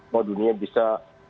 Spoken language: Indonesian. bahwa dunia bisa